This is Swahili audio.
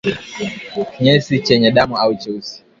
Kinyesi chenye damu au cheusi